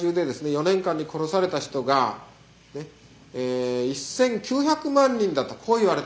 ４年間に殺された人が１，９００万人だとこういわれてるわけですね。